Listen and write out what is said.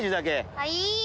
はい。